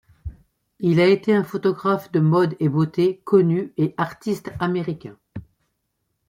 Il a été un photographe de Mode et Beauté connu et Artiste Américain.